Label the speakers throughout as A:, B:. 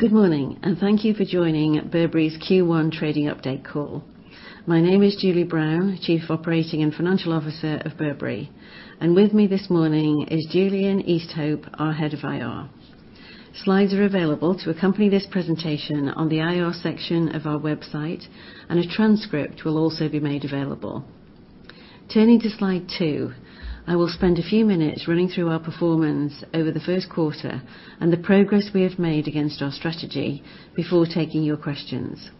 A: Good morning, and thank you for joining Burberry's Q1 trading update call. My name is Julie Brown, Chief Operating and Financial Officer of Burberry, and with me this morning is Julian Easthope, our Head of IR. Slides are available to accompany this presentation on the IR section of our website, and a transcript will also be made available. Turning to slide two, I will spend a few minutes running through our performance over the first quarter and the progress we have made against our strategy before taking your questions.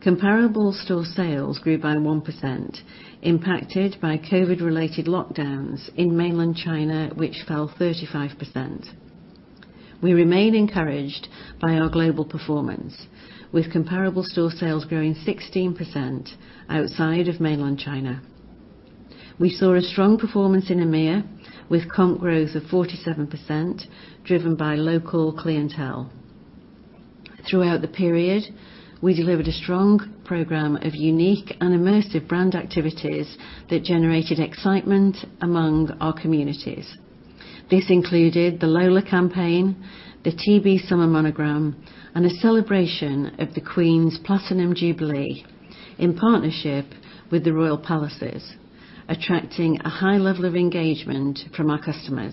A: Comparable store sales grew by 1%, impacted by COVID-related lockdowns in Mainland China, which fell 35%. We remain encouraged by our global performance, with comparable store sales growing 16% outside of Mainland China. We saw a strong performance in EMEIA, with comp growth of 47% driven by local clientele. Throughout the period, we delivered a strong program of unique and immersive brand activities that generated excitement among our communities. This included the Lola campaign, the TB Summer Monogram, and a celebration of the Queen's Platinum Jubilee in partnership with Historic Royal Palaces, attracting a high level of engagement from our customers.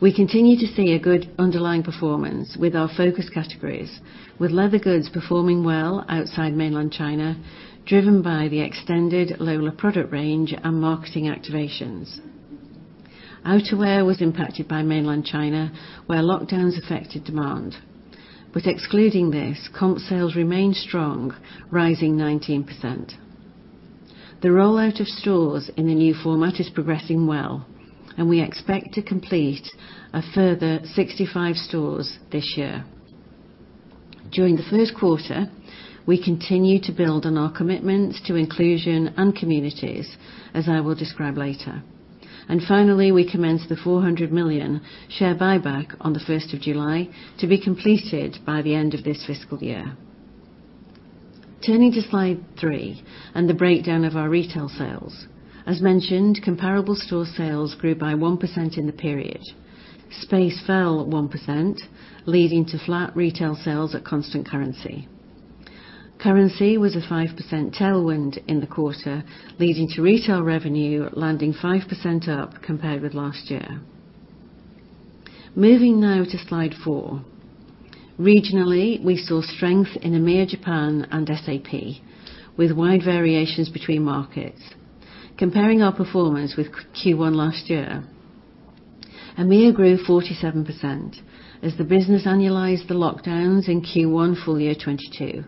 A: We continue to see a good underlying performance with our focus categories, with leather goods performing well outside Mainland China, driven by the extended Lola product range and marketing activations. Outerwear was impacted by Mainland China, where lockdowns affected demand. Excluding this, comp sales remained strong, rising 19%. The rollout of stores in the new format is progressing well and we expect to complete a further 65 stores this year. During the first quarter, we continued to build on our commitment to inclusion and communities, as I will describe later. Finally, we commenced the 400 million share buyback on the first of July to be completed by the end of this fiscal year. Turning to slide three and the breakdown of our retail sales. As mentioned, comparable store sales grew by 1% in the period. Space fell 1%, leading to flat retail sales at constant currency. Currency was a 5% tailwind in the quarter, leading to retail revenue landing 5% up compared with last year. Moving now to slide four. Regionally, we saw strength in EMEIA, Japan, and SAP, with wide variations between markets. Comparing our performance with Q1 last year, EMEIA grew 47% as the business annualized the lockdowns in Q1 full year 2022.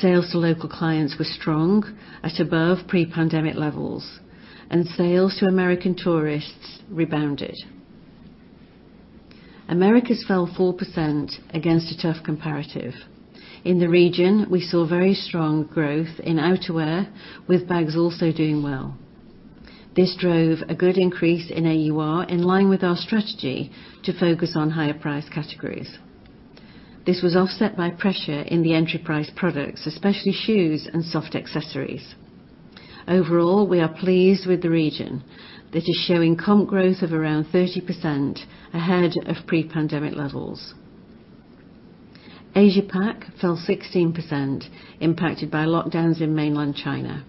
A: Sales to local clients were strong at above pre-pandemic levels, and sales to American tourists rebounded. Americas fell 4% against a tough comparative. In the region, we saw very strong growth in outerwear, with bags also doing well. This drove a good increase in AUR in line with our strategy to focus on higher price categories. This was offset by pressure in the entry price products, especially shoes and soft accessories. Overall, we are pleased with the region that is showing comp growth of around 30% ahead of pre-pandemic levels. Asia Pacific fell 16% impacted by lockdowns in Mainland China.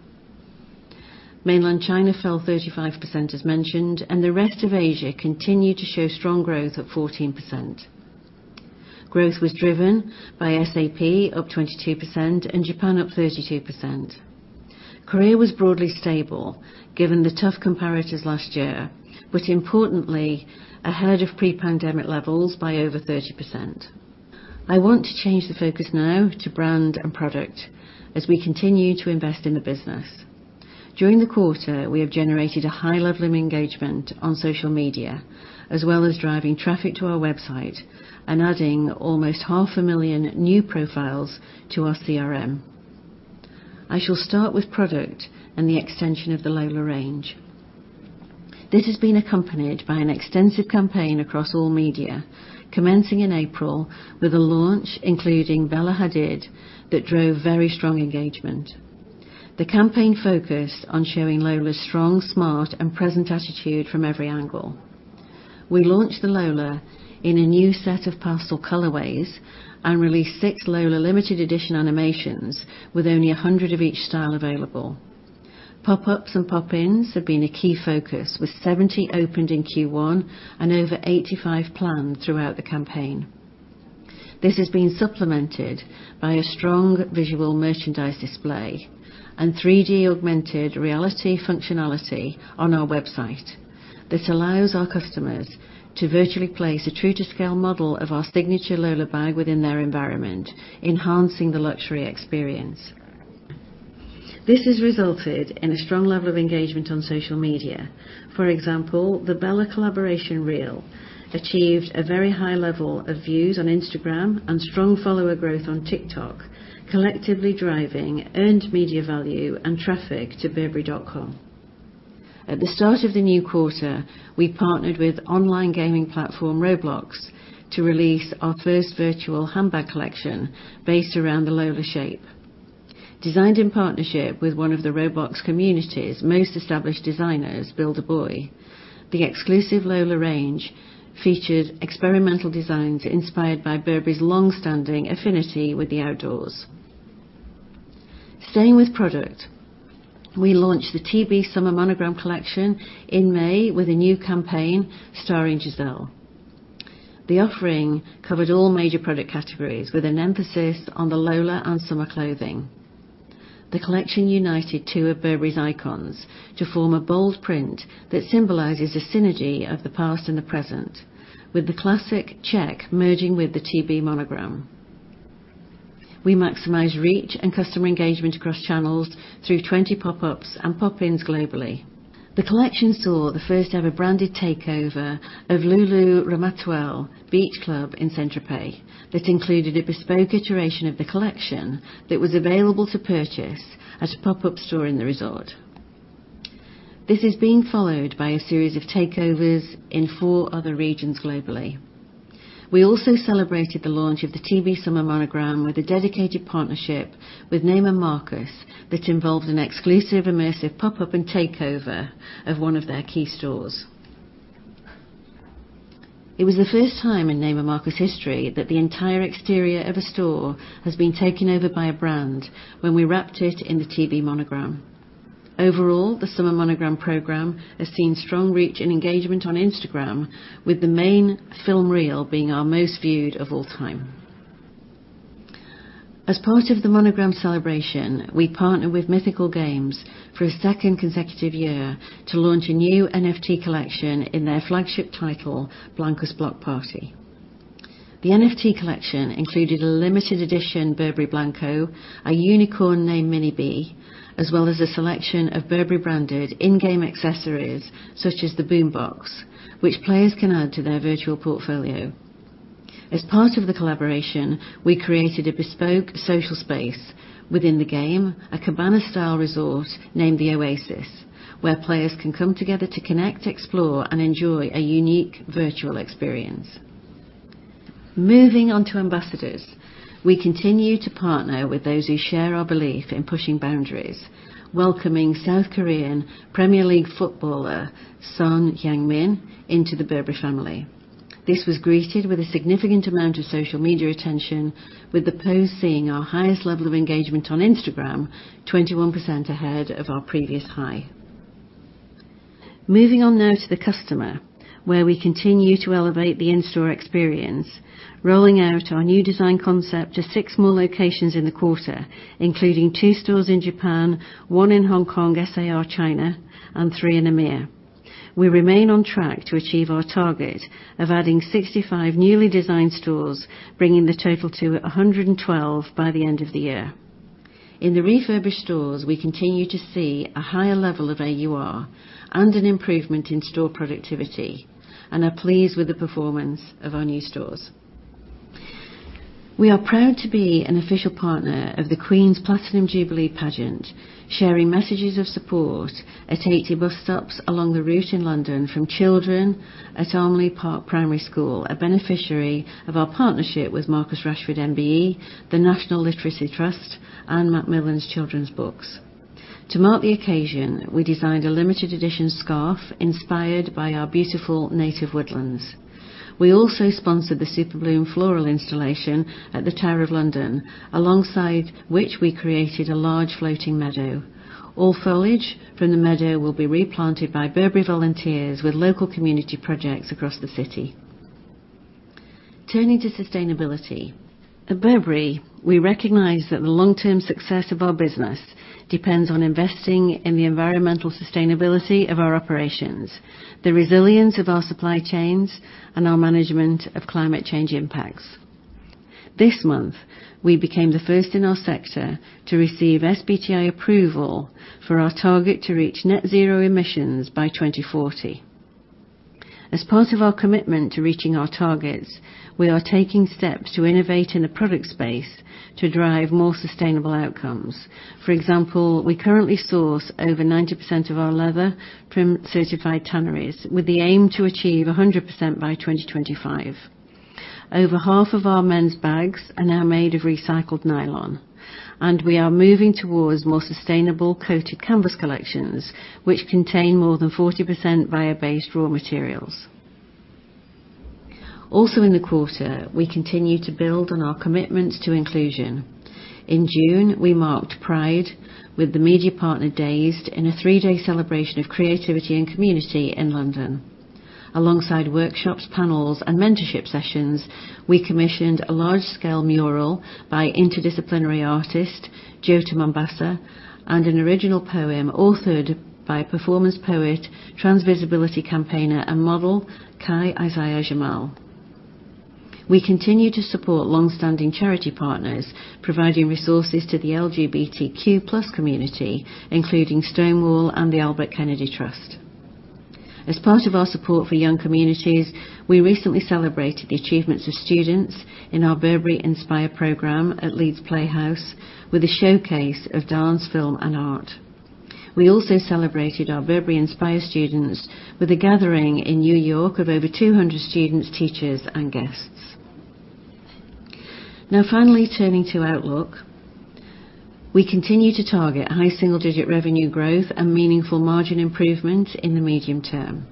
A: Mainland China fell 35%, as mentioned, and the rest of Asia continued to show strong growth at 14%. Growth was driven by SAP up 22% and Japan up 32%. Korea was broadly stable given the tough comparatives last year, but importantly ahead of pre-pandemic levels by over 30%. I want to change the focus now to brand and product as we continue to invest in the business. During the quarter, we have generated a high level of engagement on social media, as well as driving traffic to our website and adding almost 500,000 new profiles to our CRM. I shall start with product and the extension of the Lola range. This has been accompanied by an extensive campaign across all media, commencing in April with a launch including Bella Hadid that drove very strong engagement. The campaign focused on showing Lola's strong, smart, and present attitude from every angle. We launched the Lola in a new set of pastel colorways and released 6 Lola limited edition animations with only 100 of each style available. Pop-ups and pop-ins have been a key focus, with 70 opened in Q1 and over 85 planned throughout the campaign. This has been supplemented by a strong visual merchandise display and 3D augmented reality functionality on our website. This allows our customers to virtually place a true-to-scale model of our signature Lola bag within their environment, enhancing the luxury experience. This has resulted in a strong level of engagement on social media. For example, the Bella Hadid collaboration reel achieved a very high level of views on Instagram and strong follower growth on TikTok, collectively driving earned media value and traffic to burberry.com. At the start of the new quarter, we partnered with online gaming platform Roblox to release our first virtual handbag collection based around the Lola shape. Designed in partnership with one of the Roblox community's most established designers, Builder Boy. The exclusive Lola range featured experimental designs inspired by Burberry's long-standing affinity with the outdoors. Staying with product, we launched the TB Summer Monogram collection in May with a new campaign starring Gisele Bündchen. The offering covered all major product categories, with an emphasis on the Lola and summer clothing. The collection united two of Burberry's icons to form a bold print that symbolizes the synergy of the past and the present, with the classic check merging with the TB Summer Monogram. We maximize reach and customer engagement across channels through 20 pop-ups and pop-ins globally. The collection saw the first-ever branded takeover of Loulou Ramatuelle Beach Club in Saint Tropez that included a bespoke iteration of the collection that was available to purchase at a pop-up store in the resort. This is being followed by a series of takeovers in four other regions globally. We also celebrated the launch of the TB Summer Monogram with a dedicated partnership with Neiman Marcus that involved an exclusive immersive pop-up and takeover of one of their key stores. It was the first time in Neiman Marcus history that the entire exterior of a store has been taken over by a brand when we wrapped it in the TB Summer Monogram. Overall, the TB Summer Monogram program has seen strong reach and engagement on Instagram, with the main film reel being our most viewed of all time. As part of the Monogram celebration, we partnered with Mythical Games for a second consecutive year to launch a new NFT collection in their flagship title, Blankos Block Party. The NFT collection included a limited edition Burberry Blanko, a unicorn named Minny B, as well as a selection of Burberry-branded in-game accessories such as the boombox, which players can add to their virtual portfolio. As part of the collaboration, we created a bespoke social space within the game, a cabana-style resort named The Oasis, where players can come together to connect, explore, and enjoy a unique virtual experience. Moving on to ambassadors. We continue to partner with those who share our belief in pushing boundaries, welcoming South Korean Premier League footballer Son Heung-min into the Burberry family. This was greeted with a significant amount of social media attention, with the post seeing our highest level of engagement on Instagram, 21% ahead of our previous high. Moving on now to the customer, where we continue to elevate the in-store experience, rolling out our new design concept to six more locations in the quarter, including 2two stores in Japan, one in Hong Kong S.A.R, China, and three in EMEIA. We remain on track to achieve our target of adding 65 newly designed stores, bringing the total to 112 by the end of the year. In the refurbished stores, we continue to see a higher level of AUR and an improvement in store productivity, and are pleased with the performance of our new stores. We are proud to be an official partner of the Queen's Platinum Jubilee pageant, sharing messages of support at 80 bus stops along the route in London from children at Armley Park Primary School, a beneficiary of our partnership with Marcus Rashford MBE, the National Literacy Trust, and Macmillan Children's Books. To mark the occasion, we designed a limited edition scarf inspired by our beautiful native woodlands. We also sponsored the Superbloom floral installation at the Tower of London, alongside which we created a large floating meadow. All foliage from the meadow will be replanted by Burberry volunteers with local community projects across the city. Turning to sustainability. At Burberry, we recognize that the long-term success of our business depends on investing in the environmental sustainability of our operations, the resilience of our supply chains, and our management of climate change impacts. This month, we became the first in our sector to receive SBTi approval for our target to reach net zero emissions by 2040. As part of our commitment to reaching our targets, we are taking steps to innovate in the product space to drive more sustainable outcomes. For example, we currently source over 90% of our leather from certified tanneries, with the aim to achieve 100% by 2025. Over half of our men's bags are now made of recycled nylon, and we are moving towards more sustainable coated canvas collections, which contain more than 40% bio-based raw materials. Also in the quarter, we continued to build on our commitments to inclusion. In June, we marked Pride with the media partner Dazed in a 3-day celebration of creativity and community in London. Alongside workshops, panels and mentorship sessions, we commissioned a large-scale mural by interdisciplinary artist Jo Tuamaseba and an original poem authored by performance poet, trans visibility campaigner and model Kai-Isaiah Jamal. We continue to support long-standing charity partners, providing resources to the LGBTQ+ community, including Stonewall and Albert Kennedy Trust. As part of our support for young communities, we recently celebrated the achievements of students in our Burberry Inspire program at Leeds Playhouse with a showcase of dance, film and art. We also celebrated our Burberry Inspire students with a gathering in New York of over 200 students, teachers, and guests. Now finally turning to Outlook. We continue to target high single-digit revenue growth and meaningful margin improvement in the medium term.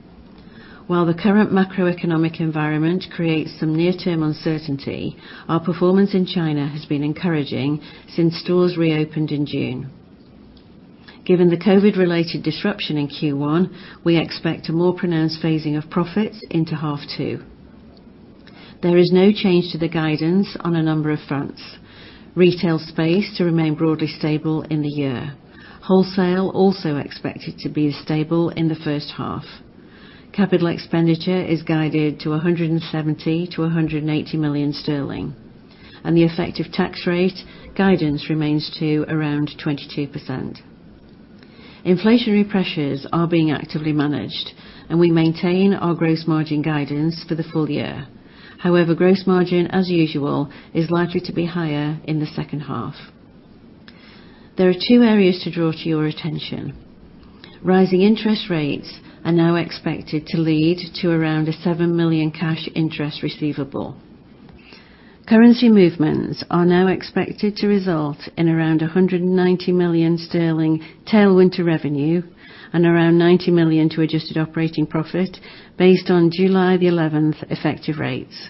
A: While the current macroeconomic environment creates some near-term uncertainty, our performance in China has been encouraging since stores reopened in June. Given the COVID-related disruption in Q1, we expect a more pronounced phasing of profits into half two. There is no change to the guidance on a number of fronts. Retail space to remain broadly stable in the year. Wholesale also expected to be stable in the first half. Capital expenditure is guided to 170 million-180 million sterling, and the effective tax rate guidance remains to around 22%. Inflationary pressures are being actively managed, and we maintain our gross margin guidance for the full year. However, gross margin, as usual, is likely to be higher in the second half. There are two areas to draw to your attention. Rising interest rates are now expected to lead to around 7 million cash interest receivable. Currency movements are now expected to result in around 190 million sterling tailwind to revenue and around 90 million to adjusted operating profit based on July 11th effective rates.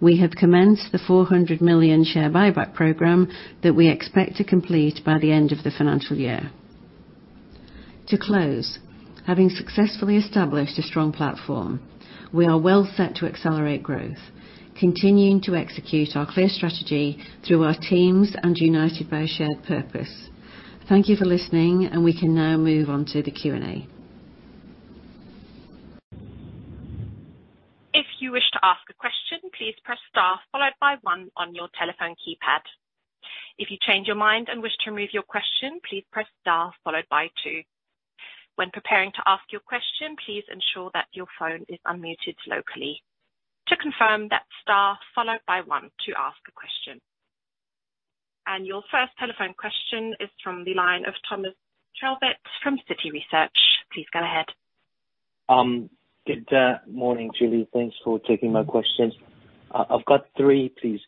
A: We have commenced the 400 million share buyback program that we expect to complete by the end of the financial year. To close, having successfully established a strong platform, we are well set to accelerate growth, continuing to execute our clear strategy through our teams and united by a shared purpose. Thank you for listening, and we can now move on to the Q&A.
B: If you wish to ask a question, please press star followed by one on your telephone keypad. If you change your mind and wish to remove your question, please press star followed by two. When preparing to ask your question, please ensure that your phone is unmuted locally. To confirm, that's star followed by one to ask a question. Your first telephone question is from the line of Thomas Chauvet from Citi Research. Please go ahead.
C: Good morning, Julie. Thanks for taking my questions. I've got three, please.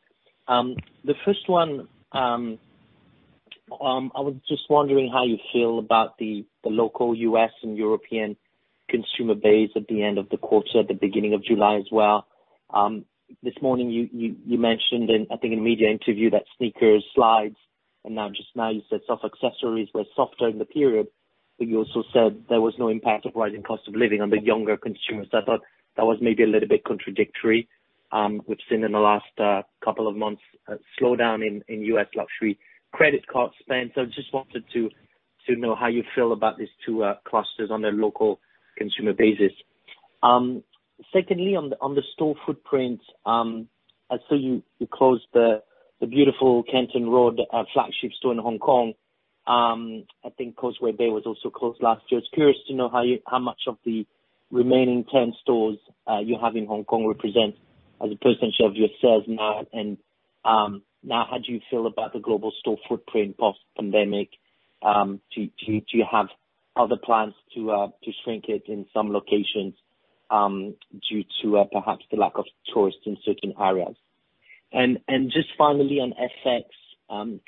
C: The first one, I was just wondering how you feel about the local U.S. and European consumer base at the end of the quarter, at the beginning of July as well. This morning you mentioned, I think, in a media interview that sneakers, slides, and now just now you said soft accessories were softer in the period, but you also said there was no impact of rising cost of living on the younger consumers. I thought that was maybe a little bit contradictory. We've seen in the last couple of months a slowdown in U.S. luxury credit card spend. Just wanted to know how you feel about these two clusters on a local consumer basis. Secondly, on the store footprint, I saw you closed the beautiful Canton Road flagship store in Hong Kong. I think Causeway Bay was also closed last year. Just curious to know how much of the remaining 10 stores you have in Hong Kong represent as a percentage of your sales now, and now how do you feel about the global store footprint post-pandemic? Do you have other plans to shrink it in some locations due to perhaps the lack of tourists in certain areas? Just finally on FX,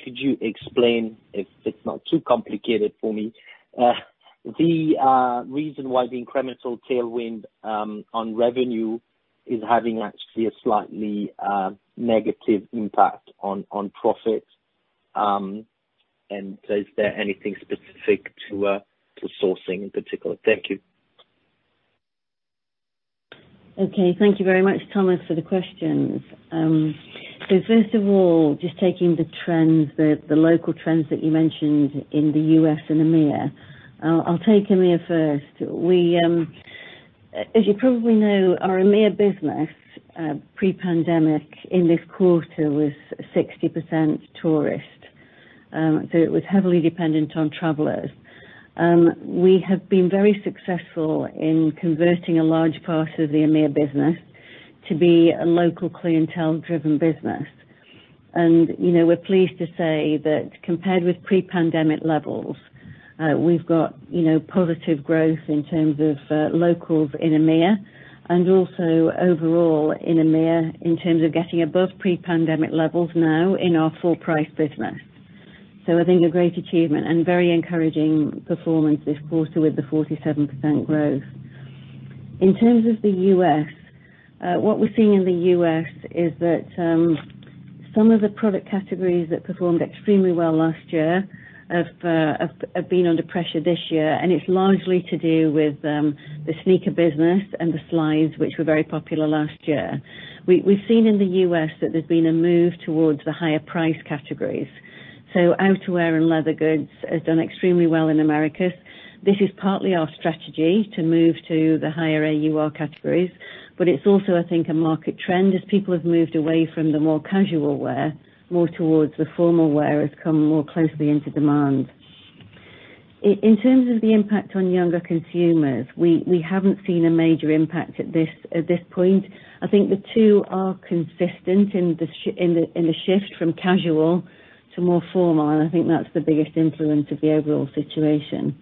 C: could you explain, if it's not too complicated for me, the reason why the incremental tailwind on revenue is having actually a slightly negative impact on profit? Is there anything specific to sourcing in particular? Thank you.
A: Okay. Thank you very much, Thomas, for the questions. First of all, just taking the trends, the local trends that you mentioned in the U.S. and EMEIA. I'll take EMEIA first. We, as you probably know, our EMEIA business, pre-pandemic in this quarter was 60% tourist. It was heavily dependent on travelers. We have been very successful in converting a large part of the EMEIA business to be a local clientele-driven business. You know, we're pleased to say that compared with pre-pandemic levels, we've got, you know, positive growth in terms of, locals in EMEIA and also overall in EMEIA in terms of getting above pre-pandemic levels now in our full price business. I think a great achievement and very encouraging performance this quarter with the 47% growth. In terms of the U.S., what we're seeing in the U.S. is that, some of the product categories that performed extremely well last year have been under pressure this year, and it's largely to do with, the sneaker business and the slides, which were very popular last year. We've seen in the U.S. that there's been a move towards the higher price categories. Outerwear and leather goods has done extremely well in Americas. This is partly our strategy to move to the higher AUR categories, but it's also, I think, a market trend as people have moved away from the more casual wear, more towards the formal wear has come more closely into demand. In terms of the impact on younger consumers, we haven't seen a major impact at this point. I think the two are consistent in the shift from casual to more formal, and I think that's the biggest influence of the overall situation.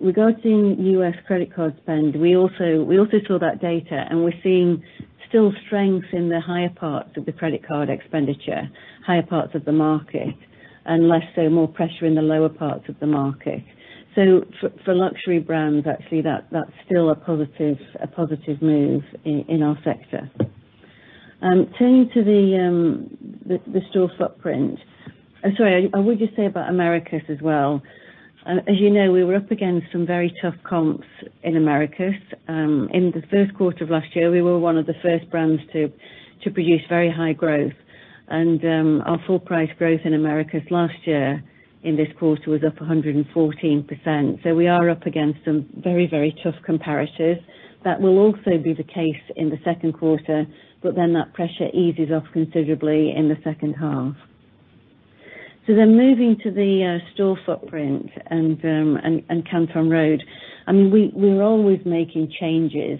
A: Regarding U.S. credit card spend, we also saw that data, and we're seeing still strength in the higher parts of the credit card expenditure, higher parts of the market, and less so more pressure in the lower parts of the market. For luxury brands, actually, that's still a positive move in our sector. Turning to the store footprint. Sorry, I would just say about Americas as well. As you know, we were up against some very tough comps in Americas. In the first quarter of last year, we were one of the first brands to produce very high growth. Our full price growth in Americas last year in this quarter was up 114%. We are up against some very, very tough comparatives that will also be the case in the second quarter, but then that pressure eases off considerably in the second half. Moving to the store footprint and Canton Road. I mean, we're always making changes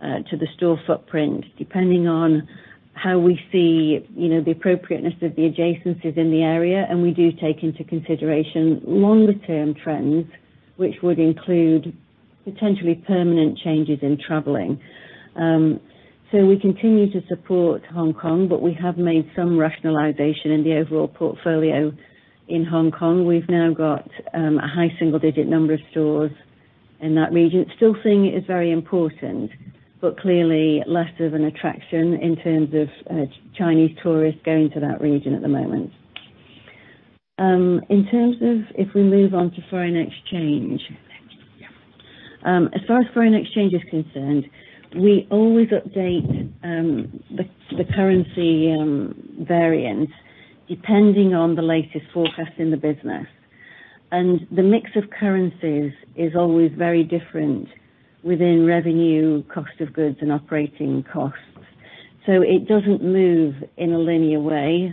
A: to the store footprint, depending on how we see, you know, the appropriateness of the adjacencies in the area, and we do take into consideration longer term trends, which would include potentially permanent changes in traveling. We continue to support Hong Kong, but we have made some rationalization in the overall portfolio in Hong Kong. We've now got a high single-digit number of stores in that region. Still seeing it as very important, but clearly less of an attraction in terms of Chinese tourists going to that region at the moment. In terms of if we move on to foreign exchange. As far as foreign exchange is concerned, we always update the currency variant depending on the latest forecast in the business. The mix of currencies is always very different within revenue, cost of goods and operating costs. It doesn't move in a linear way.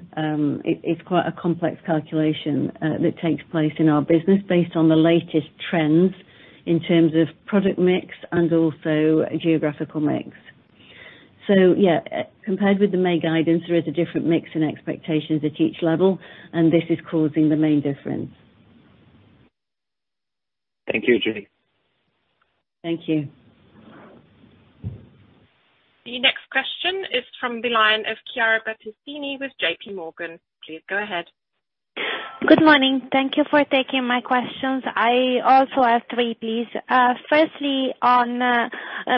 A: It's quite a complex calculation that takes place in our business based on the latest trends in terms of product mix and also geographical mix. Yeah, compared with the May guidance, there is a different mix in expectations at each level, and this is causing the main difference.
C: Thank you, Julie.
A: Thank you.
B: The next question is from the line of Chiara Battistini with JPMorgan. Please go ahead.
D: Good morning. Thank you for taking my questions. I also have three, please. Firstly, on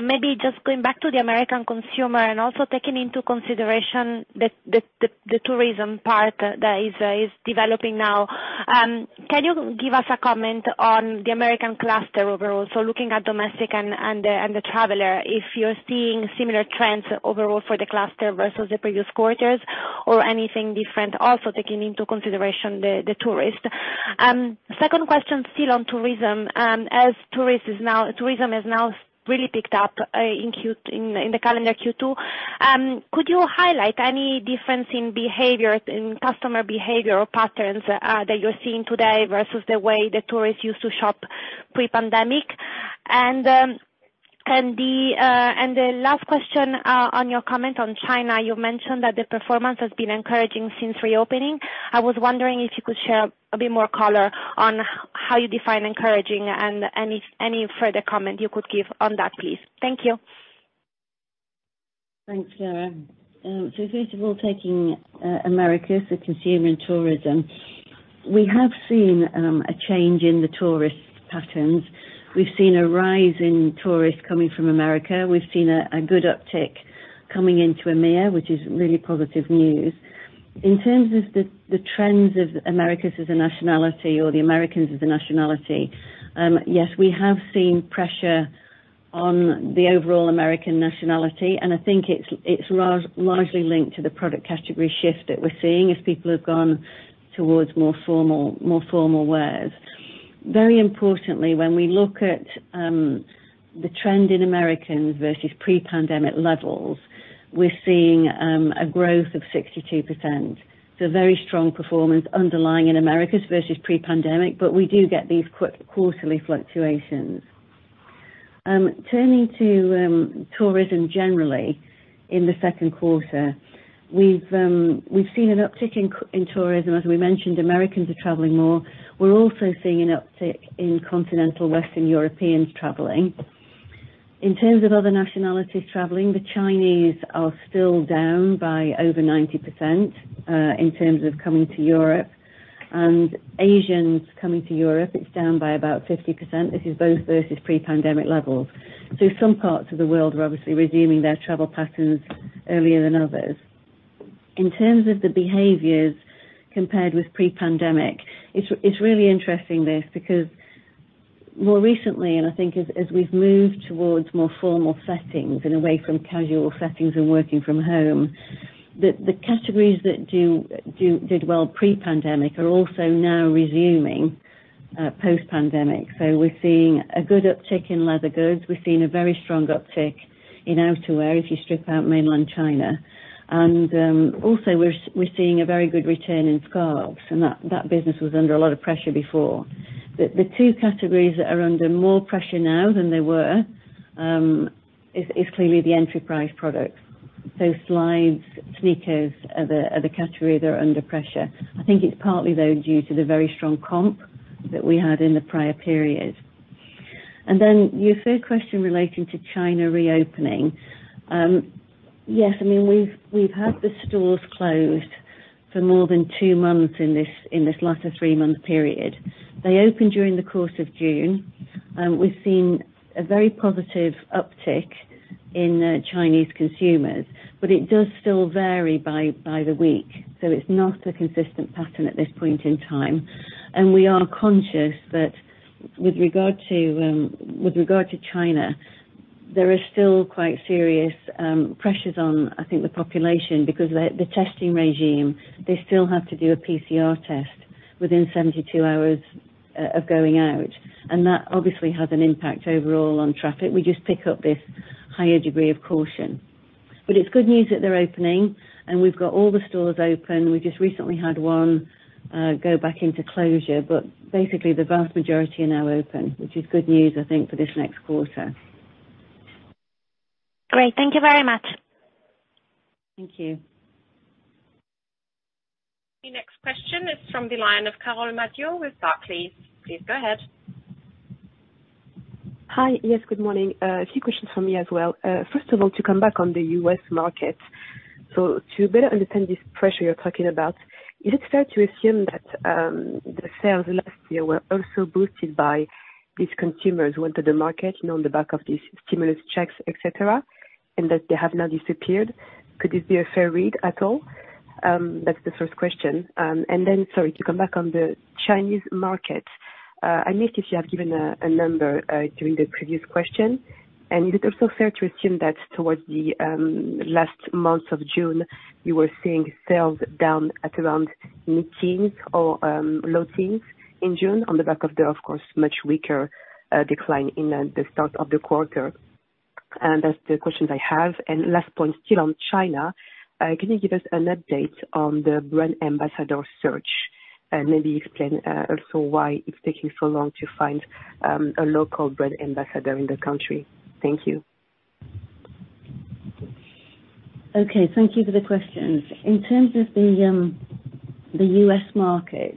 D: maybe just going back to the American consumer and also taking into consideration the tourism part that is developing now. Can you give us a comment on the American cluster overall? So looking at domestic and the traveler, if you're seeing similar trends overall for the cluster versus the previous quarters or anything different, also taking into consideration the tourist. Second question still on tourism. Tourism has now really picked up in the calendar Q2. Could you highlight any difference in behavior, in customer behavior or patterns, that you're seeing today versus the way the tourists used to shop pre-pandemic? The last question on your comment on China. You mentioned that the performance has been encouraging since reopening. I was wondering if you could share a bit more color on how you define encouraging and any further comment you could give on that, please? Thank you.
A: Thanks, Chiara. So first of all, taking Americas, the consumer and tourism. We have seen a change in the tourist patterns. We've seen a rise in tourists coming from America. We've seen a good uptick coming into EMEIA, which is really positive news. In terms of the trends of Americas as a nationality or the Americans as a nationality, yes, we have seen pressure on the overall American nationality, and I think it's largely linked to the product category shift that we're seeing as people have gone towards more formal wear. Very importantly, when we look at the trend in Americans versus pre-pandemic levels, we're seeing a growth of 62%. Very strong performance underlying in Americas versus pre-pandemic, but we do get these quarterly fluctuations. Turning to tourism generally in the second quarter. We've seen an uptick in tourism. As we mentioned, Americans are traveling more. We're also seeing an uptick in continental Western Europeans traveling. In terms of other nationalities traveling, the Chinese are still down by over 90%, in terms of coming to Europe. Asians coming to Europe, it's down by about 50%. This is both versus pre-pandemic levels. Some parts of the world are obviously resuming their travel patterns earlier than others. In terms of the behaviors compared with pre-pandemic, it's really interesting this because more recently, and I think as we've moved towards more formal settings and away from casual settings and working from home, the categories that did well pre-pandemic are also now resuming post-pandemic. We're seeing a good uptick in leather goods. We're seeing a very strong uptick in outerwear if you strip out Mainland China. Also, we're seeing a very good return in scarves, and that business was under a lot of pressure before. The two categories that are under more pressure now than they were is clearly the entry price products. Slides, sneakers are the categories that are under pressure. I think it's partly though due to the very strong comp that we had in the prior periods. Your third question relating to China reopening. Yes, we've had the stores closed for more than two months in this latter three-month period. They opened during the course of June. We've seen a very positive uptick in Chinese consumers, but it does still vary by the week. It's not a consistent pattern at this point in time. We are conscious that with regard to China, there is still quite serious pressures on, I think, the population because the testing regime, they still have to do a PCR test within 72 hours of going out, and that obviously has an impact overall on traffic. We just pick up this higher degree of caution. It's good news that they're opening and we've got all the stores open. We just recently had one go back into closure, but basically the vast majority are now open, which is good news, I think, for this next quarter.
D: Great. Thank you very much.
A: Thank you.
B: The next question is from the line of Carole Madjo with Barclays. Please go ahead.
E: Hi. Yes, good morning. A few questions from me as well. First of all, to come back on the U.S. market. To better understand this pressure you're talking about, is it fair to assume that the sales last year were also boosted by these consumers who went to the market on the back of these stimulus checks, et cetera, and that they have now disappeared. Could this be a fair read at all? That's the first question. Then sorry, to come back on the Chinese market. I missed if you have given a number during the previous question. Is it also fair to assume that towards the last months of June, you were seeing sales down at around mid-teens or low teens in June on the back of the, of course, much weaker decline in the start of the quarter? That's the questions I have. Last point, still on China, can you give us an update on the brand ambassador search? Maybe explain also why it's taking so long to find a local brand ambassador in the country. Thank you.
A: Okay, thank you for the questions. In terms of the U.S. market,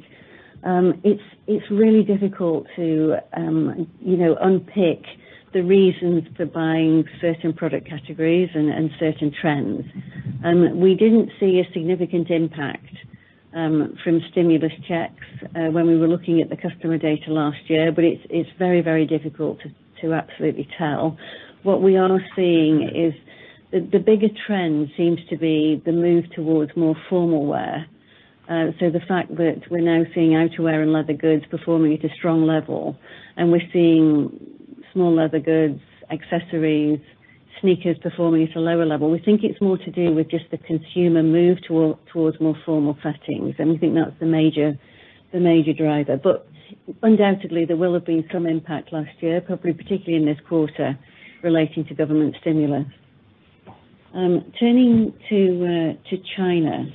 A: it's really difficult to you know unpick the reasons for buying certain product categories and certain trends. We didn't see a significant impact from stimulus checks when we were looking at the customer data last year, but it's very difficult to absolutely tell. What we are seeing is the bigger trend seems to be the move toward more formal wear. So the fact that we're now seeing outerwear and leather goods performing at a strong level, and we're seeing small leather goods, accessories, sneakers performing at a lower level, we think it's more to do with just the consumer move toward more formal settings. We think that's the major driver. Undoubtedly, there will have been some impact last year, probably particularly in this quarter relating to government stimulus. Turning to China.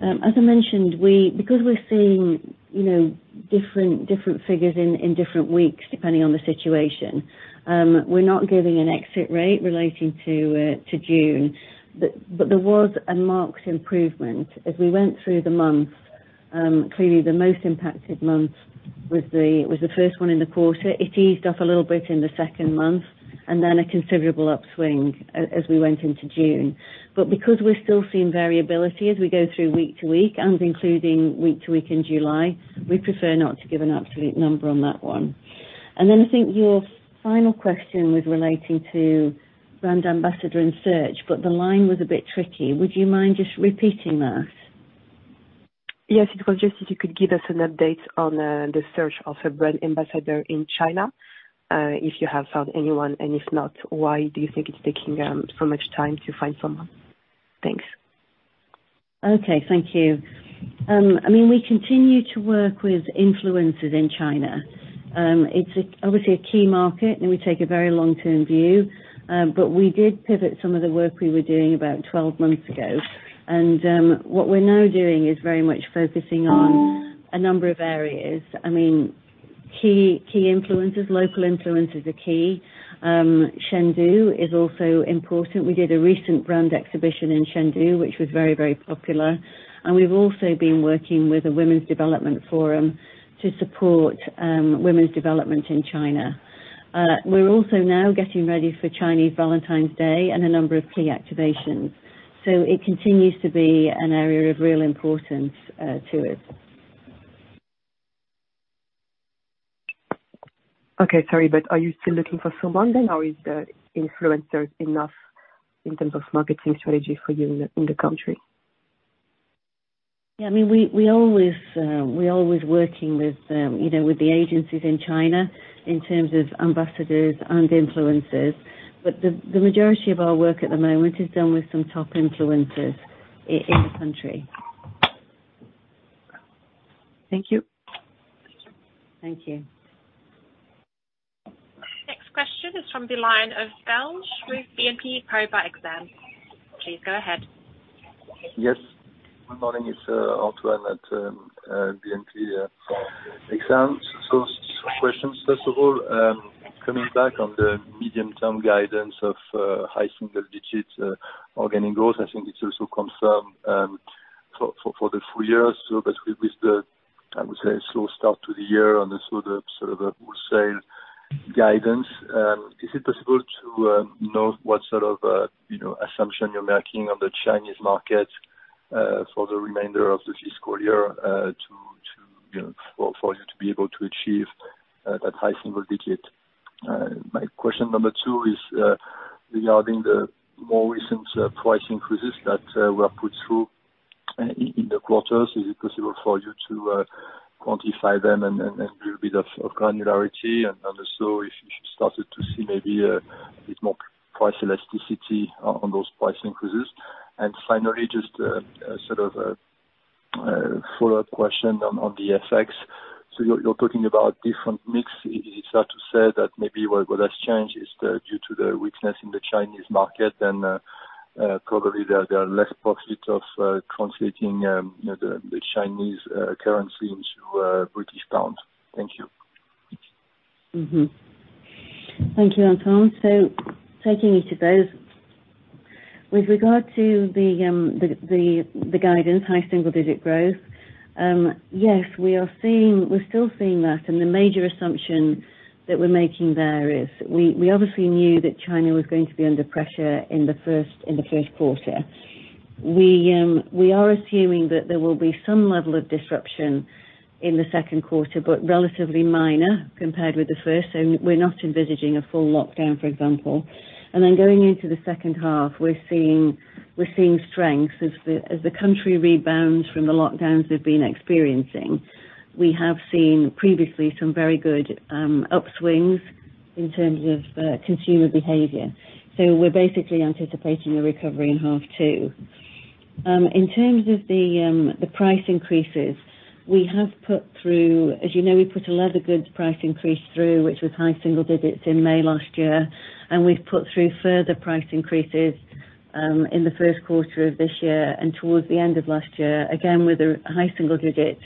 A: As I mentioned, because we're seeing, you know, different figures in different weeks, depending on the situation, we're not giving an exit rate relating to June. There was a marked improvement as we went through the month. Clearly, the most impacted month was the first one in the quarter. It eased off a little bit in the second month, and then a considerable upswing as we went into June. Because we're still seeing variability as we go through week to week and including week to week in July, we prefer not to give an absolute number on that one. I think your final question was relating to brand ambassador and search, but the line was a bit tricky. Would you mind just repeating that?
E: Yes. It was just if you could give us an update on the search of a brand ambassador in China, if you have found anyone, and if not, why do you think it's taking so much time to find someone? Thanks.
A: Okay, thank you. I mean, we continue to work with influencers in China. It's obviously a key market, and we take a very long-term view, but we did pivot some of the work we were doing about 12 months ago. What we're now doing is very much focusing on a number of areas. I mean, key influencers, local influencers are key. Chengdu is also important. We did a recent brand exhibition in Chengdu, which was very, very popular. We've also been working with the China Women's Development Foundation to support women's development in China. We're also now getting ready for Chinese Valentine's Day and a number of key activations. It continues to be an area of real importance to us.
E: Okay, sorry, are you still looking for someone then, or is the influencers enough in terms of marketing strategy for you in the country?
A: Yeah, I mean, we're always working with, you know, with the agencies in China in terms of ambassadors and influencers. The majority of our work at the moment is done with some top influencers in the country.
E: Thank you.
A: Thank you.
B: Next question is from the line of Antoine Belge with BNP Paribas Exane. Please go ahead.
F: Yes. Good morning, it's Antoine at BNP Exane. Questions. First of all, coming back on the medium-term guidance of high single digits organic growth, I think it also comes from for the full year, so but with the I would say slow start to the year and the sort of wholesale guidance, is it possible to know what sort of you know assumption you're making on the Chinese market for the remainder of the fiscal year to you know for you to be able to achieve that high single digit? My question number two is regarding the more recent price increases that were put through in the quarters. Is it possible for you to quantify them and a little bit of granularity? Also if you started to see maybe a bit more price elasticity on those price increases. Finally, just a sort of a follow-up question on the FX. You're talking about different mix. Is it fair to say that maybe what has changed is due to the weakness in the Chinese market and probably there are less prospects of translating, you know, the Chinese currency into British pound? Thank you.
A: Mm-hmm. Thank you, Antoine. Taking each of those. With regard to the guidance, high single digit growth, yes, we are seeing. We're still seeing that, and the major assumption that we're making there is we obviously knew that China was going to be under pressure in the first quarter. We are assuming that there will be some level of disruption in the second quarter, but relatively minor compared with the first. We're not envisaging a full lockdown, for example. Then going into the second half, we're seeing strength as the country rebounds from the lockdowns they've been experiencing. We have seen previously some very good upswings in terms of consumer behavior. We're basically anticipating a recovery in half two. In terms of the price increases, we have put through. As you know, we put a leather goods price increase through, which was high single digits in May last year, and we've put through further price increases in the first quarter of this year and towards the end of last year. Again, with a high single digit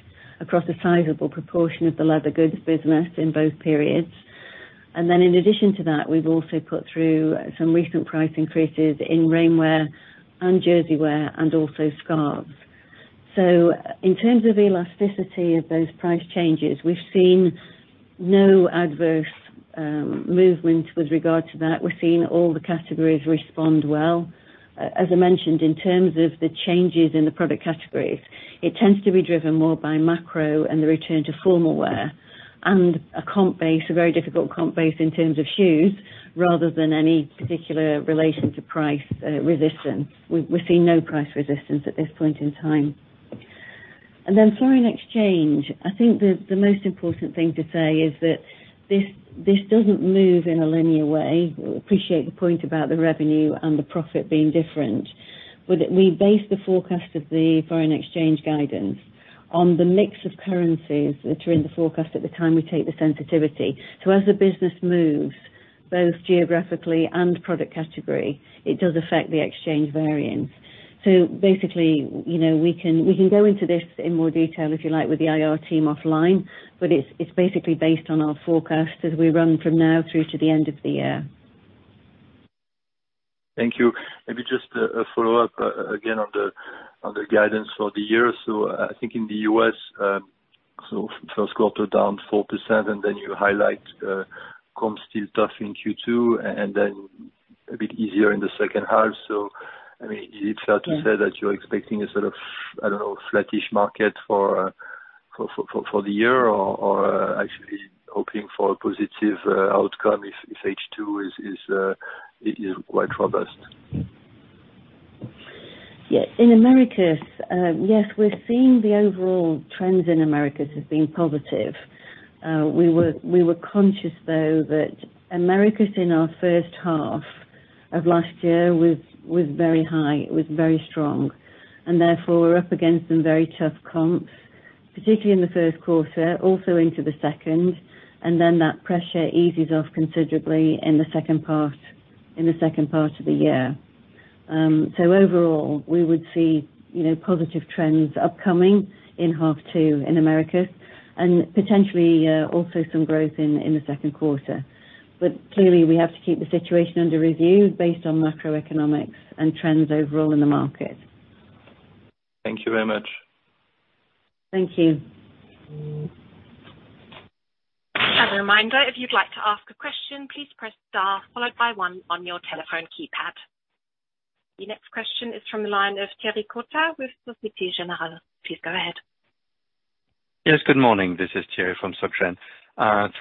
A: across a sizable proportion of the leather goods business in both periods. In addition to that, we've also put through some recent price increases in rainwear and jerseywear and also scarves. In terms of elasticity of those price changes, we've seen no adverse movement with regard to that. We've seen all the categories respond well. As I mentioned, in terms of the changes in the product categories, it tends to be driven more by macro and the return to formal wear and a comp base, a very difficult comp base in terms of shoes, rather than any particular relation to price resistance. We're seeing no price resistance at this point in time. Then foreign exchange. I think the most important thing to say is that this doesn't move in a linear way. We appreciate the point about the revenue and the profit being different. We base the forecast of the foreign exchange guidance on the mix of currencies that are in the forecast at the time we take the sensitivity. As the business moves both geographically and product category, it does affect the exchange variance. Basically, you know, we can go into this in more detail if you like, with the IR team offline, but it's basically based on our forecast as we run from now through to the end of the year.
F: Thank you. Maybe just a follow-up, again, on the guidance for the year. I think in the U.S., first quarter down 4% and then you highlight, comp still tough in Q2 and then a bit easier in the second half. I mean, is it fair to say that you're expecting a sort of, I don't know, flattish market for the year or actually hoping for a positive outcome if H2 is quite robust?
A: Yeah. In Americas, yes, we're seeing the overall trends in Americas as being positive. We were conscious though that Americas in our first half of last year was very high. It was very strong. Therefore we're up against some very tough comps, particularly in the first quarter, also into the second. Then that pressure eases off considerably in the second part of the year. Overall, we would see, you know, positive trends upcoming in half two in Americas and potentially also some growth in the second quarter. Clearly we have to keep the situation under review based on macroeconomics and trends overall in the market.
F: Thank you very much.
A: Thank you.
B: As a reminder, if you'd like to ask a question, please press star followed by one on your telephone keypad. The next question is from the line of Thierry Cota with Société Générale. Please go ahead.
G: Yes, good morning. This is Thierry from Société Générale.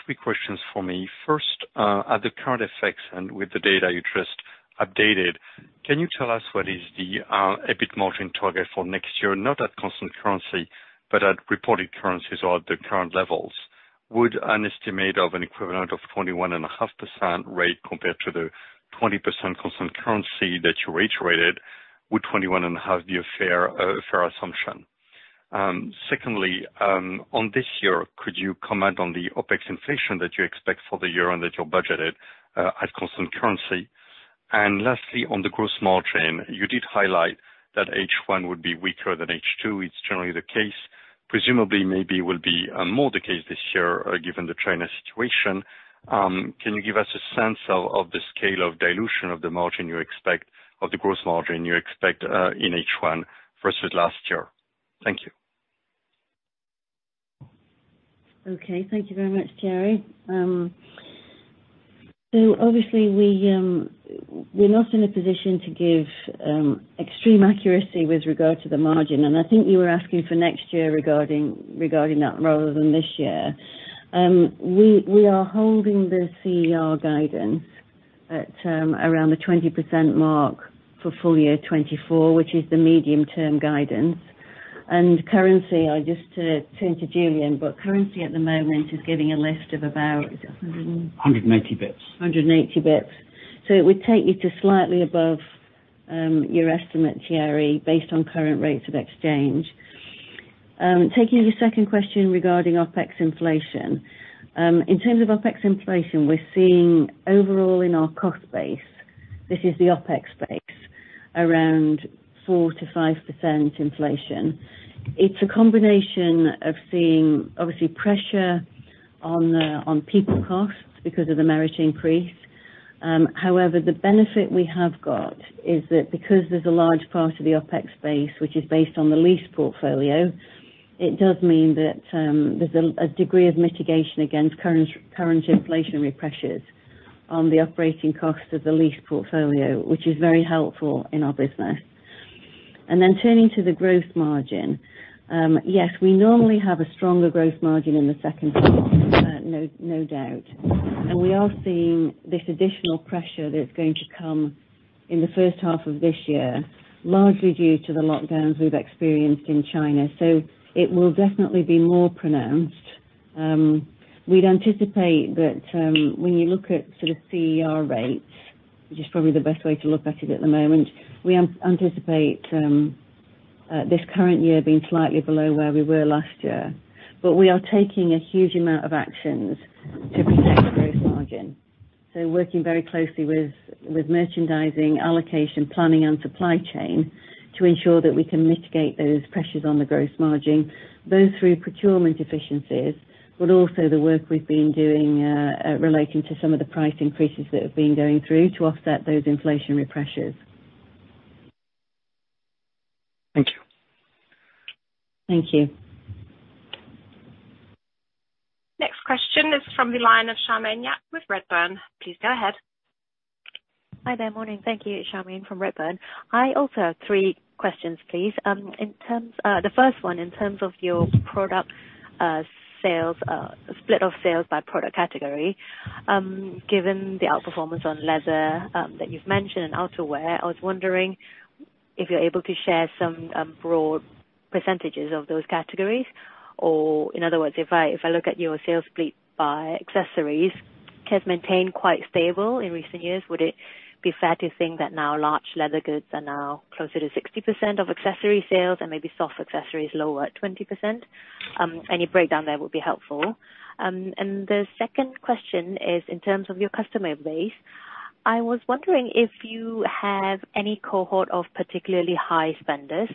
G: Three questions for me. First, at the current FX and with the data you just updated, can you tell us what is the EBIT margin target for next year, not at constant currency, but at reported currencies or the current levels? Would an estimate of an equivalent of 21.5% rate compared to the 20% constant currency that you reiterated, would 21.5% be a fair assumption? Secondly, on this year, could you comment on the OpEx inflation that you expect for the year and that you budgeted at constant currency? Lastly, on the gross margin, you did highlight that H1 would be weaker than H2. It's generally the case. Presumably, maybe will be more the case this year, given the China situation. Can you give us a sense of the scale of dilution of the gross margin you expect in H1 versus last year? Thank you.
A: Okay, thank you very much, Thierry. So obviously we're not in a position to give extreme accuracy with regard to the margin, and I think you were asking for next year regarding that rather than this year. We are holding the CER guidance at around the 20% mark for full year 2024, which is the medium-term guidance. Currency, I just turn to Julian, but currency at the moment is giving a lift of about a hundred and-
H: 180 bps.
A: 180 bps. It would take you to slightly above your estimate, Thierry, based on current rates of exchange. Taking your second question regarding OpEx inflation. In terms of OpEx inflation, we're seeing overall in our cost base, this is the OpEx base, around 4%-5% inflation. It's a combination of seeing obviously pressure on on people costs because of the wage increase. However, the benefit we have got is that because there's a large part of the OpEx base which is based on the lease portfolio, it does mean that there's a degree of mitigation against current inflationary pressures on the operating cost of the lease portfolio, which is very helpful in our business. Turning to the gross margin. Yes, we normally have a stronger growth margin in the second half, no doubt. We are seeing this additional pressure that's going to come in the first half of this year, largely due to the lockdowns we've experienced in China. It will definitely be more pronounced. We'd anticipate that, when you look at sort of CER rates, which is probably the best way to look at it at the moment, we anticipate this current year being slightly below where we were last year. We are taking a huge amount of actions to protect the growth margin. Working very closely with merchandising, allocation, planning and supply chain to ensure that we can mitigate those pressures on the growth margin, both through procurement efficiencies, but also the work we've been doing, relating to some of the price increases that we've been going through to offset those inflationary pressures.
G: Thank you.
A: Thank you.
B: Next question is from the line of Charmaine Yap with Redburn. Please go ahead.
I: Hi there. Morning. Thank you. Charmaine Yap from Redburn Atlantic. I also have three questions, please. In terms, the first one, in terms of your product sales split of sales by product category, given the outperformance on leather that you've mentioned and outerwear, I was wondering if you're able to share some broad percentages of those categories. Or in other words, if I look at your sales split by accessories has maintained quite stable in recent years, would it be fair to think that now large leather goods are now closer to 60% of accessory sales and maybe soft accessories lower at 20%? Any breakdown there would be helpful. And the second question is in terms of your customer base. I was wondering if you have any cohort of particularly high spenders.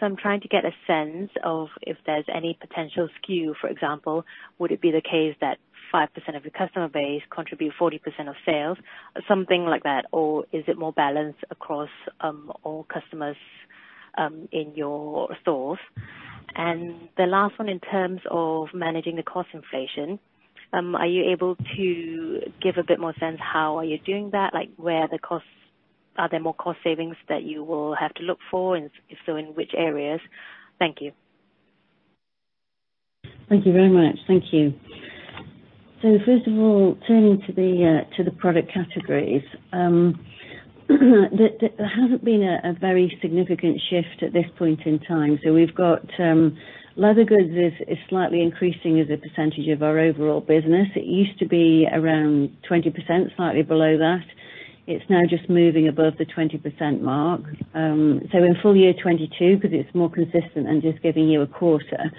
I: I'm trying to get a sense of if there's any potential skew. For example, would it be the case that 5% of your customer base contribute 40% of sales, something like that? Or is it more balanced across all customers in your stores? The last one, in terms of managing the cost inflation, are you able to give a bit more sense how are you doing that? Like where are the costs? Are there more cost savings that you will have to look for, and if so, in which areas? Thank you.
A: Thank you very much. Thank you. First of all, turning to the product categories. There hasn't been a very significant shift at this point in time. We've got leather goods is slightly increasing as a percentage of our overall business. It used to be around 20%, slightly below that. It's now just moving above the 20% mark. In full year 2022, 'cause it's more consistent and just giving you a quarter,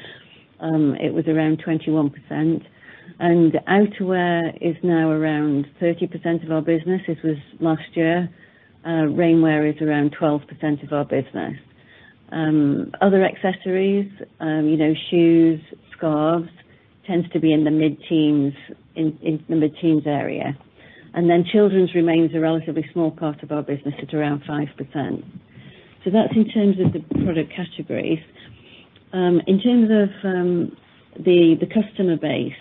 A: it was around 21%. Outerwear is now around 30% of our business. This was last year. Rainwear is around 12% of our business. Other accessories, you know, shoes, scarves, tends to be in the mid-teens, in the mid-teens area. Children's remains a relatively small part of our business at around 5%. That's in terms of the product categories. In terms of the customer base,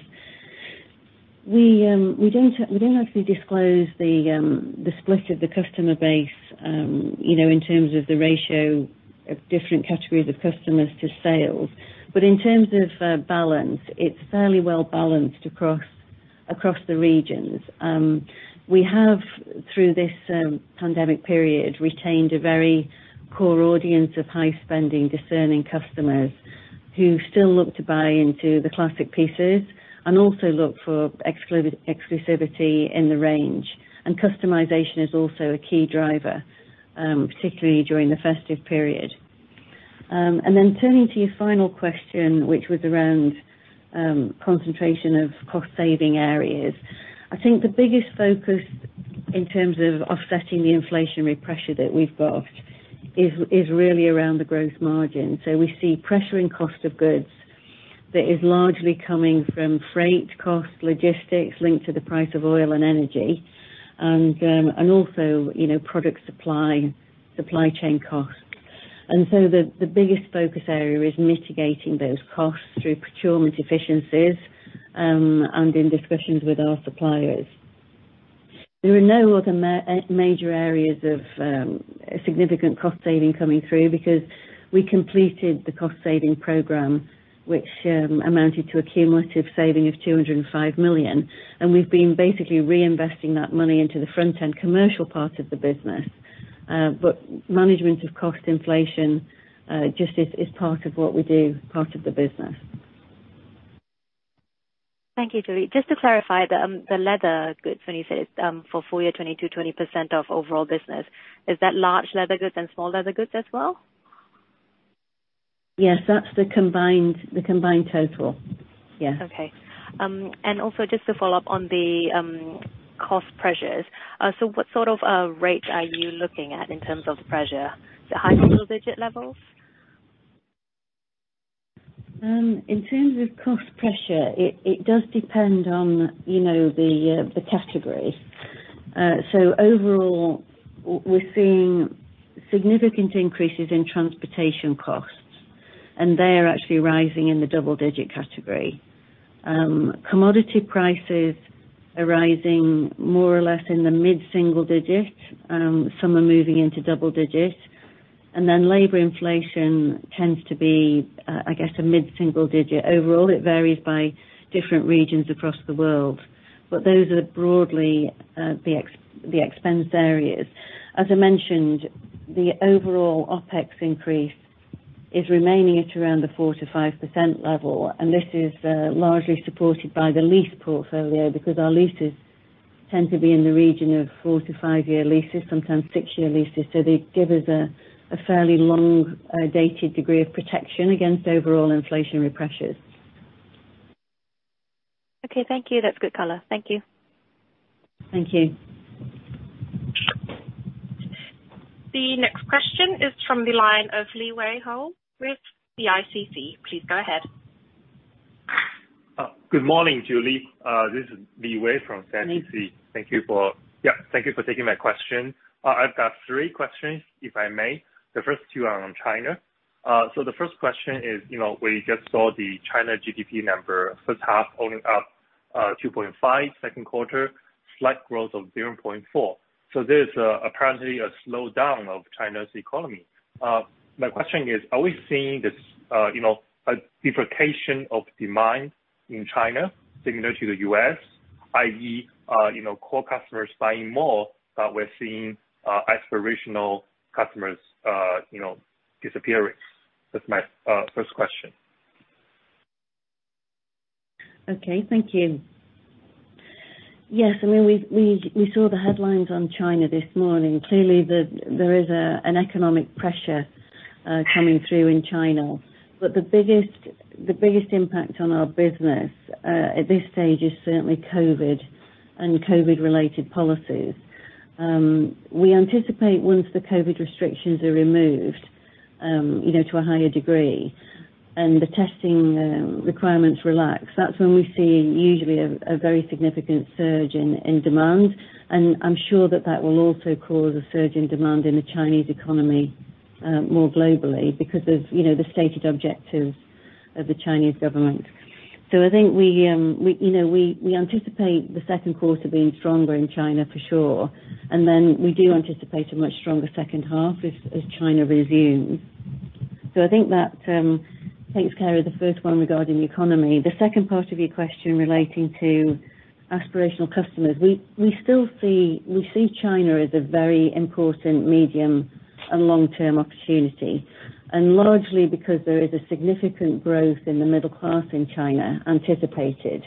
A: we don't actually disclose the split of the customer base, you know, in terms of the ratio of different categories of customers to sales. But in terms of balance, it's fairly well-balanced across the regions. We have, through this pandemic period, retained a very core audience of high-spending, discerning customers who still look to buy into the classic pieces and also look for exclusivity in the range. Customization is also a key driver, particularly during the festive period. Turning to your final question, which was around concentration of cost saving areas. I think the biggest focus in terms of offsetting the inflationary pressure that we've got is really around the growth margin. We see pressure in cost of goods that is largely coming from freight costs, logistics linked to the price of oil and energy, and also, you know, product supply chain costs. The biggest focus area is mitigating those costs through procurement efficiencies and in discussions with our suppliers. There are no other major areas of significant cost saving coming through because we completed the cost saving program, which amounted to a cumulative saving of 205 million. We've been basically reinvesting that money into the front end commercial part of the business. Management of cost inflation just is part of what we do, part of the business.
I: Thank you, Julie. Just to clarify, the leather goods, when you said it's for full year 2022, 20% of overall business, is that large leather goods and small leather goods as well?
A: Yes. That's the combined total. Yeah.
I: Okay. Also just to follow up on the cost pressures. What sort of rates are you looking at in terms of the pressure? Is it high single digit levels?
A: In terms of cost pressure, it does depend on, you know, the category. So overall, we're seeing significant increases in transportation costs, and they are actually rising in the double-digit category. Commodity prices are rising more or less in the mid-single-digit. Some are moving into double-digit. Then labor inflation tends to be, I guess, a mid-single-digit. Overall, it varies by different regions across the world, but those are broadly the expense areas. As I mentioned, the overall OpEx increase is remaining at around the 4%-5% level, and this is largely supported by the lease portfolio because our leases tend to be in the region of 4-5-year leases, sometimes six-year leases. They give us a fairly long-dated degree of protection against overall inflationary pressures.
I: Okay. Thank you. That's good color. Thank you.
A: Thank you.
B: The next question is from the line of Li Wei Ho with the HSBC. Please go ahead.
J: Good morning, Julie. This is Li Wei Ho from HSBC.
A: Li.
J: Thank you for taking my question. I've got three questions, if I may. The first two are on China. The first question is, you know, we just saw the China GDP number, only up 2.5%, second quarter, slight growth of 0.4%. There's apparently a slowdown of China's economy. My question is, are we seeing this, you know, a bifurcation of demand in China similar to the U.S., i.e., you know, core customers buying more, but we're seeing aspirational customers, you know, disappearing? That's my first question.
A: Okay. Thank you. Yes. I mean, we saw the headlines on China this morning. Clearly there is an economic pressure coming through in China. The biggest impact on our business at this stage is certainly COVID and COVID-related policies. We anticipate once the COVID restrictions are removed, you know, to a higher degree, and the testing requirements relax, that's when we see usually a very significant surge in demand. I'm sure that will also cause a surge in demand in the Chinese economy more globally because of, you know, the stated objectives of the Chinese government. I think we, you know, anticipate the second quarter being stronger in China for sure. Then we do anticipate a much stronger second half as China resumes. I think that takes care of the first one regarding the economy. The second part of your question relating to aspirational customers. We still see China as a very important medium and long-term opportunity, and largely because there is a significant growth in the middle class in China anticipated.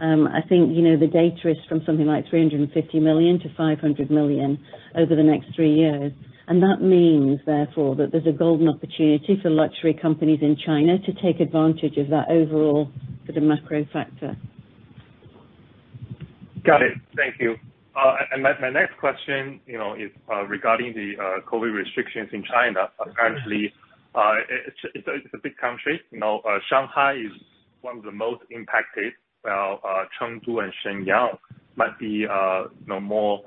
A: I think, you know, the data is from something like 350 million to 500 million over the next three years. That means, therefore, that there's a golden opportunity for luxury companies in China to take advantage of that overall sort of macro factor.
J: Got it. Thank you. My next question, you know, is regarding the COVID restrictions in China. Apparently, it's a big country. You know, Shanghai is one of the most impacted, while Chengdu and Shenyang might be, you know, more.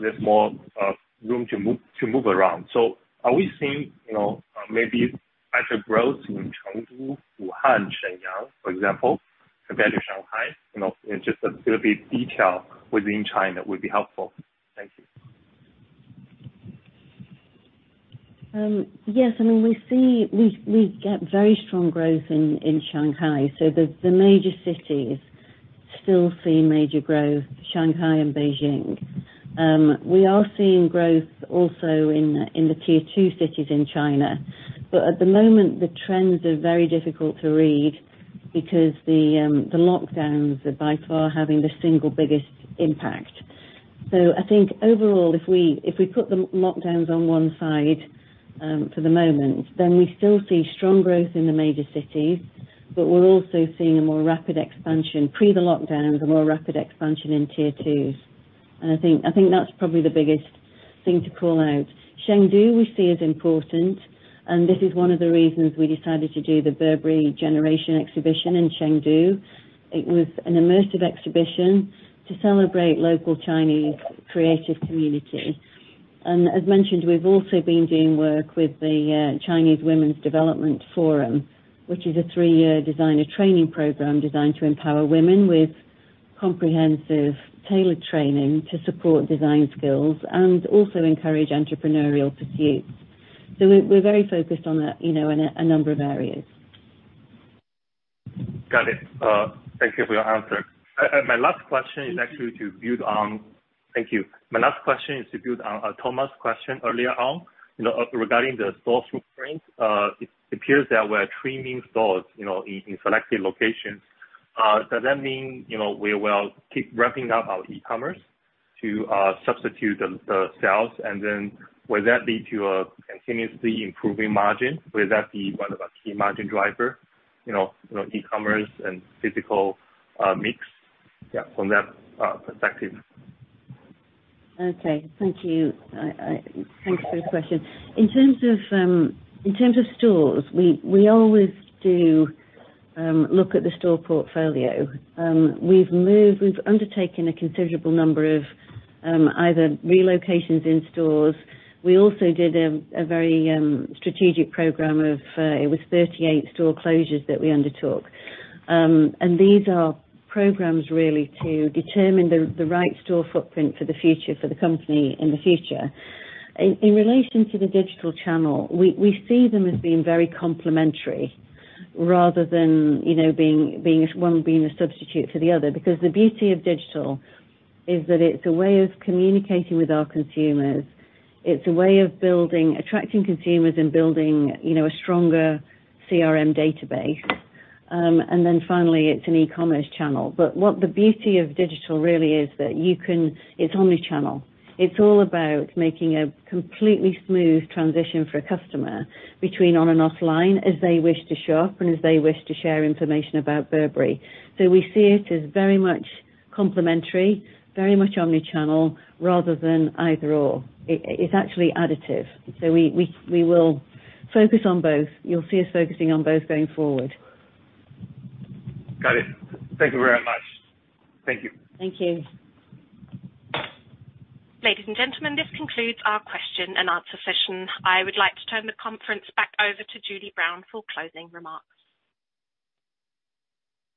J: There's more room to move around. Are we seeing, you know, maybe higher growth in Chengdu, Wuhan, Shenyang, for example, compared to Shanghai? You know, just a little bit of detail within China would be helpful. Thank you.
A: Yes. I mean, we get very strong growth in Shanghai. The major cities still see major growth, Shanghai and Beijing. We are seeing growth also in the tier two cities in China. At the moment, the trends are very difficult to read. Because the lockdowns are by far having the single biggest impact. I think overall, if we put the lockdowns on one side, for the moment, then we still see strong growth in the major cities, but we're also seeing a more rapid expansion, pre the lockdowns, a more rapid expansion in tier twos. I think that's probably the biggest thing to call out. Chengdu, we see as important, and this is one of the reasons we decided to do the Burberry Generation exhibition in Chengdu. It was an immersive exhibition to celebrate local Chinese creative counity. As mentioned, we've also been doing work with the China Women's Development Foundation, which is a three-year designer training program designed to empower women with comprehensive tailored training to support design skills and also encourage entrepreneurial pursuits. We're very focused on that, you know, in a number of areas.
J: Got it. Thank you for your answer. My last question is to build on Thomas Chauvet's question earlier on, you know, regarding the store footprint. It appears that we're trimming stores, you know, in selected locations. Does that mean, you know, we will keep ramping up our e-commerce to substitute the sales? Will that lead to a continuously improving margin? Will that be one of our key margin driver, you know, e-commerce and physical mix? Yeah, from that perspective.
A: Okay. Thank you. Thank you for the question. In terms of stores, we always do look at the store portfolio. We've undertaken a considerable number of either relocations in stores. We also did a very strategic program of 38 store closures that we undertook. These are programs really to determine the right store footprint for the company in the future. In relation to the digital channel, we see them as being very complementary rather than you know being a substitute for the other. Because the beauty of digital is that it's a way of communicating with our consumers. It's a way of attracting consumers and building you know a stronger CRM database. Finally, it's an e-commerce channel. What the beauty of digital really is that you can. It's omnichannel. It's all about making a completely smooth transition for a customer between on and offline as they wish to show up and as they wish to share information about Burberry. We see it as very much complementary, very much omnichannel rather than either/or. It, it's actually additive. We will focus on both. You'll see us focusing on both going forward.
J: Got it. Thank you very much. Thank you.
A: Thank you.
B: Ladies and gentlemen, this concludes our question and answer session. I would like to turn the conference back over to Julie Brown for closing remarks.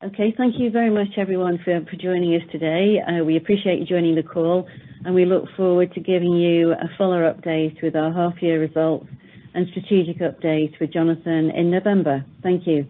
A: Okay. Thank you very much, everyone, for joining us today. We appreciate you joining the call, and we look forward to giving you a fuller update with our half year results and strategic update with Jonathan Akeroyd in November. Thank you.